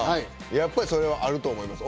やっぱりそれはあると思います。